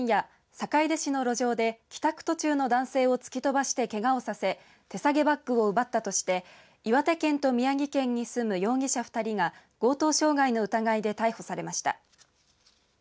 坂出市の路上で帰宅途中の男性を突き飛ばしてけがをさせ手提げバッグを奪ったとして岩手県と宮城県に住む容疑者２人が強盗傷害の疑いで逮捕されました。